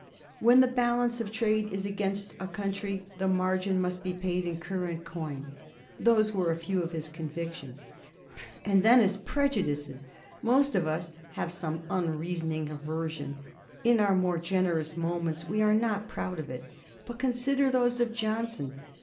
"When the balance of trade is against a country, the margin must be paid in current coin." Those were a few of his convictions. And then his prejudices! Most of us have some unreasoning aversion. In our more generous moments we are not proud of it. But consider those of Johnson!